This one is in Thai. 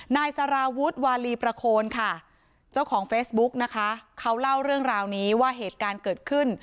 นายสารวุฒิวาลีประโคนค่ะเจ้าของเฟซบุ๊กนะคะเขาเล่าเรื่องราวนี้ว่าเหตุการณ์เกิดขึ้น